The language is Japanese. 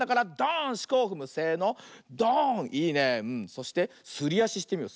そしてすりあししてみよう。